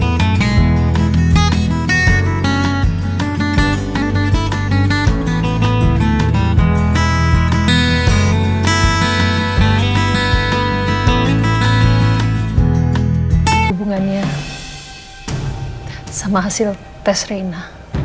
hubungannya sama hasil tes reina